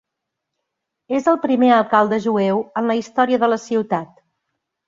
És el primer alcalde jueu en la història de la ciutat.